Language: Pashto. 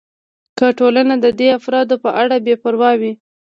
که ټولنه د دې افرادو په اړه بې پروا وي.